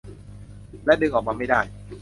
และดึงออกมาไม่ได้